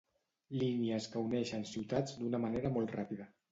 Línies que uneixen ciutats d'una manera molt ràpida.